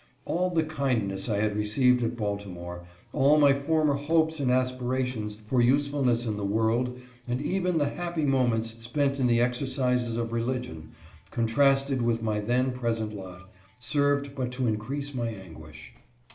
All the kindness I had received at Baltimore, all my for mer hopes and aspirations for usefulness in the world, and even the happy moments spent in the exercises of religion, contrasted with my then present lot, served but to increase my anguish.